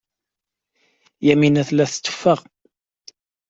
Yamina tella tetteffeɣ.